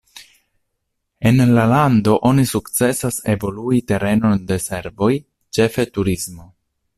En la lando oni sukcesas evolui terenon de servoj, ĉefe turismo.